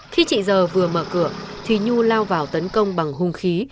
khi chị giờ vừa mở cửa thì nhu lao vào tấn công bằng hung khí